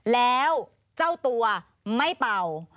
แล้วเจ้าตัวไม่เป่า